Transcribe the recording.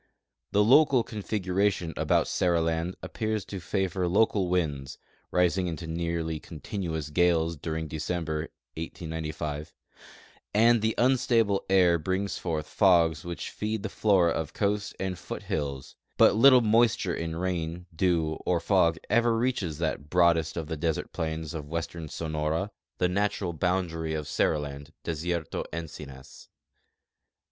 The local configuration about Seriland appears to favor local winds (rising into nearly continuous gales during De ceml)er, 1895), and the unstable air brings forth fogs which feed the flora of coast and foothills ; but little moisture in rain, dew, or fog ever reaches that broadest of the desert plains of western Sonora, the natural boundary of Seriland, Desierto Encinas.